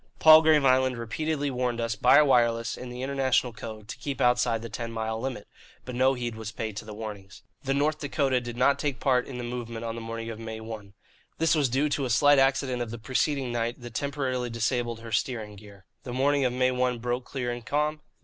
Palgrave Island repeatedly warned us, by wireless, in the international code, to keep outside the ten mile limit; but no heed was paid to the warnings. "The North Dakota did not take part in the movement of the morning of May 1. This was due to a slight accident of the preceding night that temporarily disabled her steering gear. The morning of May 1 broke clear and calm.